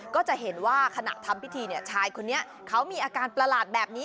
ก็จะเห็นว่าขณะทำพิธีชายคนนี้เขามีอาการประหลาดแบบนี้